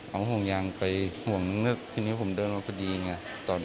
เอาห่วงยางไปห่วงเลือกทีนี้ผมเดินมาพอดีไง